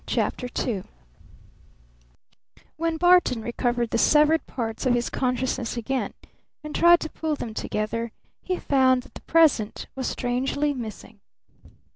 CHAPTER II When Barton recovered the severed parts of his consciousness again and tried to pull them together, he found that the Present was strangely missing.